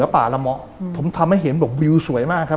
ผมทำให้เห็นวิวสวยมาก